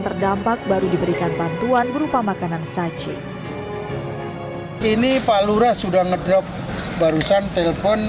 terdampak baru diberikan bantuan berupa makanan saji ini pak lura sudah ngedrop barusan telepon